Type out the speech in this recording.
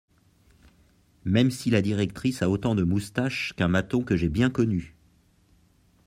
même si la directrice a autant de moustache qu’un maton que j’ai bien connu.